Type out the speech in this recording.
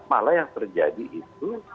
malah yang terjadi itu